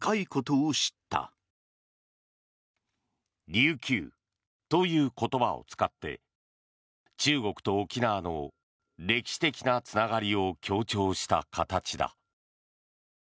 琉球という言葉を使って中国と沖縄の歴史的なつながりを強調した形だ。